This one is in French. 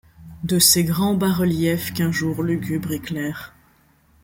De ses grands bas-reliefs qu’un jour lugubre éclaire